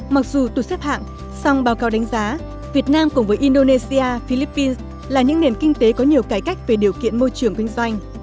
mặc dù tụt xếp hạng song báo cáo đánh giá việt nam cùng với indonesia philippines là những nền kinh tế có nhiều cải cách về điều kiện môi trường kinh doanh